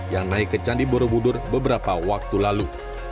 yang naik ke candi borobudur beberapa waktu lalu